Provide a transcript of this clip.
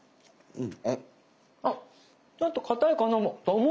うん。